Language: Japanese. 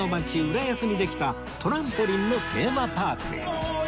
浦安にできたトランポリンのテーマパークへ